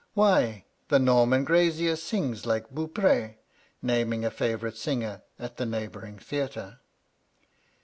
^Why, the Norman grazier sings like Boupre,' naming a &vourite singer at the neighbour ing theatre.